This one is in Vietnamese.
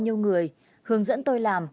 nhiều người hướng dẫn tôi làm